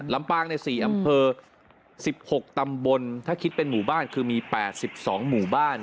ลำปางใน๔อำเภอ๑๖ตำบลถ้าคิดเป็นหมู่บ้านคือมี๘๒หมู่บ้าน